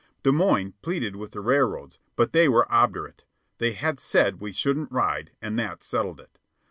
Des Moines pleaded with the railroads, but they were obdurate; they had said we shouldn't ride, and that settled it.